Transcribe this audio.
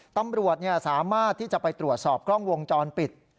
ตำรวจสามารถที่จะไปตรวจสอบกล้องวงจรปิด